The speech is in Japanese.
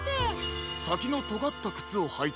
さきのとがったくつをはいていて。